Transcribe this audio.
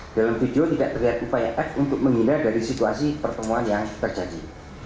dalam video tidak terlihat upaya f untuk menghindar dari situasi pertemuan yang terjadi